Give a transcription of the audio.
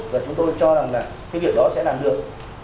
và chúng tôi cho rằng là cái việc đó sẽ làm được